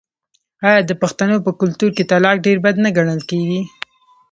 آیا د پښتنو په کلتور کې طلاق ډیر بد نه ګڼل کیږي؟